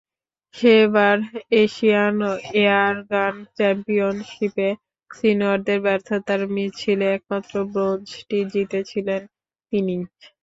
সেবার Asian airgun চ্যাম্পিয়নশিপে সিনিয়রদের ব্যর্থতার মিছিলে একমাত্র ব্রোঞ্জটি জিতেছিলেন তিনিই।